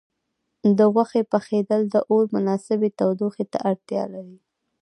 د غوښې پخېدل د اور مناسبې تودوخې ته اړتیا لري.